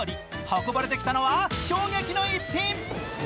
運ばれてきたのは、衝撃の一品。